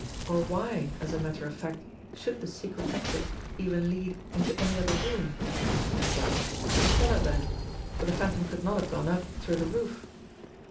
Or why, as a matter of fact, should the secret exit even lead into any other room ? Well, the cellar then, for the Phantom could not have gone up through the roof